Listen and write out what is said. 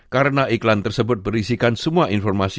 karena iklan tersebut berisikan semua informasi